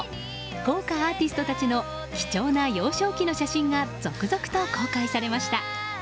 豪華アーティストたちの貴重な幼少期の写真が続々と公開されました。